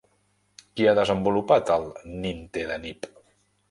Qui ha desenvolupat el Nintedanib?